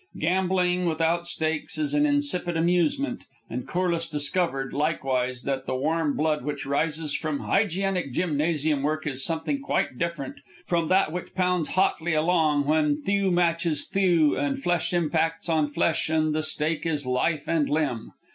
Gambling without stakes is an insipid amusement, and Corliss discovered, likewise, that the warm blood which rises from hygienic gymnasium work is something quite different from that which pounds hotly along when thew matches thew and flesh impacts on flesh and the stake is life and limb.